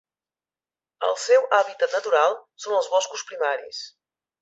El seu hàbitat natural són els boscos primaris.